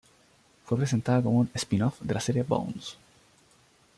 Fue presentada como un "spin-off" de la serie "Bones".